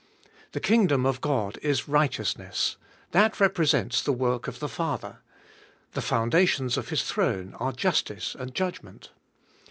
The Kingdom of God is righteousness; that represents the work of the Father. The foundations of His throne are justice and judgment.